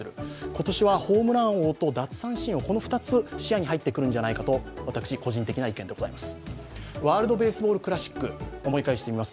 今年はホームラン王と、奪三振王、この２つが視野に入ってくるのではないかと私、個人的な意見でございます。